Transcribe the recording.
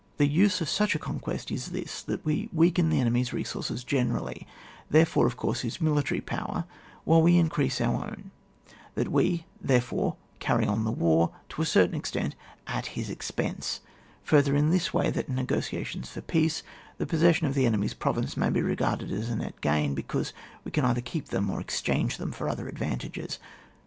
The use of such a conquest is this, that we weaken the enemy's resources generally, therefore, of course, his mili tary power, while we increase our own ; that wei therefore carry on the war, to a certain extent, at his expense ; further in this way, that in negotiations for peace, the possession of the enemy's provinces may be regarded as net gain, because we can either keep them or exchange them for other advantages.